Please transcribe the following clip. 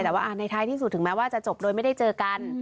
แต่ว่าในท้ายที่สุดถึงแม้ว่าจะจบโดยไม่ได้เจอกัน